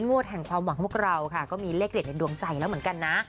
งวดแห่งความหวังของพวกเราค่ะก็มีเลขเด็ดในดวงใจแล้วเหมือนกันนะ